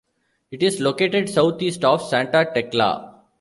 It is located southeast of Santa Tecla.